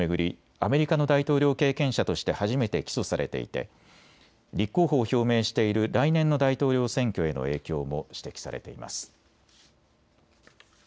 アメリカの大統領経験者として初めて起訴されていて立候補を表明している来年の大統領選挙への影響も指摘されています。